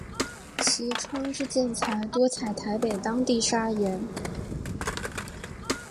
其窗之建材多采台北当地砂岩。